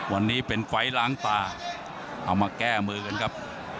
วันนี้เป็นไฟล์ล้างตาเอามาแก้มือกันครับ